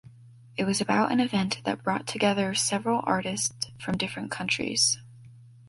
It was about an event that brought together several artist from different countries.